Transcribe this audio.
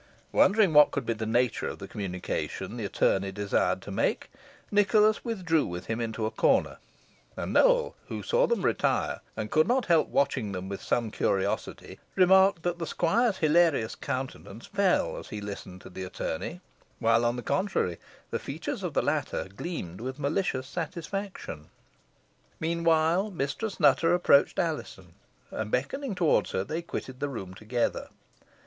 Wondering what could be the nature of the communication the attorney desired to make, Nicholas withdrew with him into a corner, and Nowell, who saw them retire, and could not help watching them with some curiosity, remarked that the squire's hilarious countenance fell as he listened to the attorney, while, on the contrary, the features of the latter gleamed with malicious satisfaction. Meanwhile, Mistress Nutter approached Alizon, and beckoning her towards her, they quitted the room together.